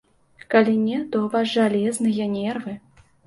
Калі не, то ў вас жалезныя нервы!